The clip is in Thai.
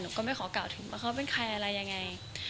ก็ไม่ขอกล่าวถึงว่าเขาเป็นใครอะไรยังไง